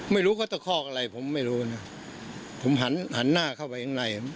ไม่รู้เขาตะคอกอะไรผมไม่รู้นะผมหันหันหน้าเข้าไปข้างใน